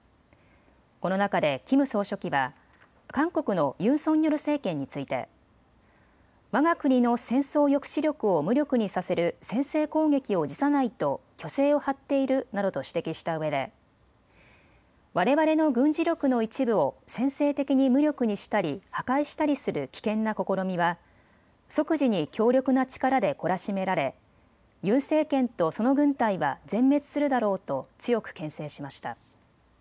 この中でキム総書記は韓国のユン・ソンニョル政権についてわが国の戦争抑止力を無力にさせる先制攻撃を辞さないと虚勢を張っているなどと指摘したうえでわれわれの軍事力の一部を先制的に無力にしたり破壊したりする危険な試みは即時に強力な力で懲らしめられユン政権とその軍隊は全滅するだろうと強くけん制しました。